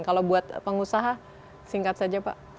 kalau buat pengusaha singkat saja pak